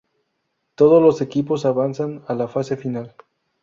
Todos los equipos avanzan a la Fase Final.